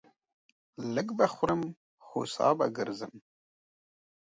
لږ به خورم ، هو سا به گرځم.